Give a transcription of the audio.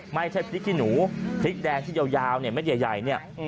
ไม่ใช่พริกขี้หนูพริกแดงที่ยาวเนี่ยเม็ดใหญ่เนี่ย